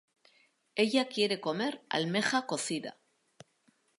Ella quiere comer almeja cocida.